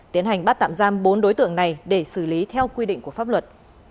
tiến hành bắt tạm giam bốn đối tượng này để xử lý theo quy định của pháp luật